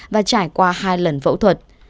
và trải qua hai lần phẫu thuật